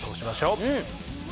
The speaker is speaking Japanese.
うん。